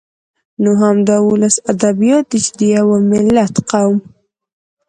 نو همدا ولسي ادبيات دي چې د يوه ملت ، قوم